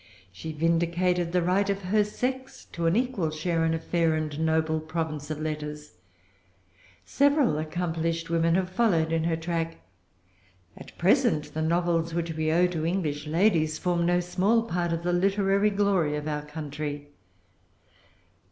She vindicated the right of her sex to an equal share in a fair and noble province of letters. Several accomplished women have followed in her track. At present, the novels which we owe to English ladies form no small part of the literary glory of our country.